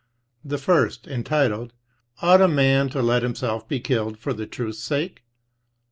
The first, entitled ' Ought a man to let himself be killed for the truth's sake